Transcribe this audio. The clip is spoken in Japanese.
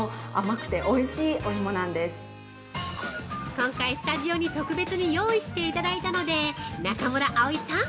◆今回スタジオに特別に用意していただいたので中村蒼さん